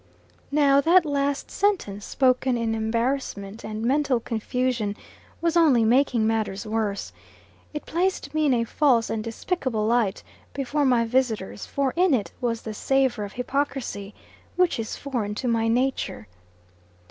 Now that last sentence, spoken in embarrassment and mental confusion, was only making matters worse. It placed me in a false and despicable light before my visitors; for in it was the savor of hypocrisy, which is foreign to my nature.